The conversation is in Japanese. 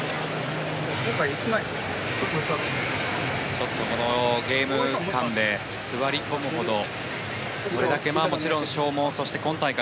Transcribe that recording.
ちょっとこのゲーム間で座り込むほどそれだけ、もちろん消耗今大会